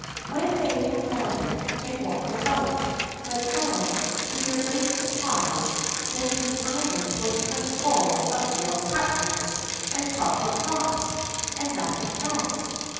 When they had landed, they walked about, but found, to their great surprise, that the island was quite full of veal cutlets and chocolate drops, and nothing else.